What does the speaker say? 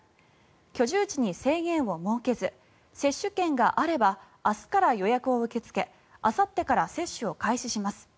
居住地に制限を設けず接種券があれば明日から予約を受け付けあさってから接種を開始します。